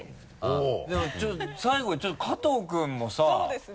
でもちょっと最後ちょっと加藤君もさ。そうですね。